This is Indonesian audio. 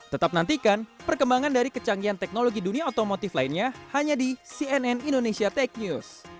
tetap nantikan perkembangan dari kecanggihan teknologi dunia otomotif lainnya hanya di cnn indonesia tech news